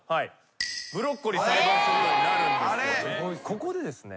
ここでですね。